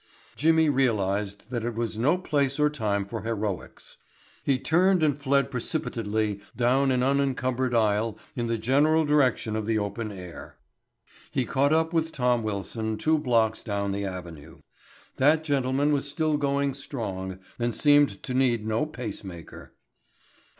Jimmy realized that it was no place or time for heroics. He turned and fled precipitately down an unencumbered aisle in the general direction of the open air. He caught up with Tom Wilson two blocks down the avenue. That gentleman was still going strong and seemed to need no pace maker.